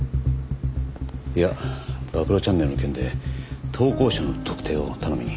いや暴露チャンネルの件で投稿者の特定を頼みに。